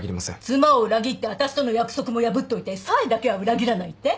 妻を裏切って私との約束も破っといて冴だけは裏切らないって？